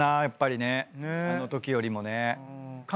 あのときよりもね。